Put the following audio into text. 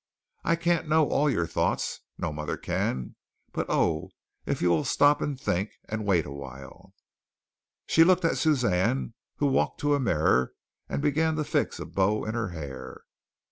I can't know all your thoughts, no mother can, but, oh, if you will stop and think, and wait a while!" She looked at Suzanne who walked to a mirror and began to fix a bow in her hair.